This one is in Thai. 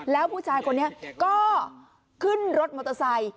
แล้วผู้ชายคนนี้ก็ขึ้นรถมอเตอร์ไซค์